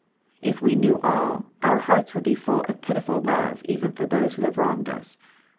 If we knew all, our hearts would be full of pitiful love even for those who have wronged us.